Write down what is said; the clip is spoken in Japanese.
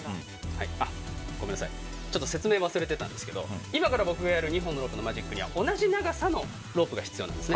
ごめんなさい説明忘れてたんですけど今から僕がやる２本のロープのマジックには同じ長さのロープが必要なんですね。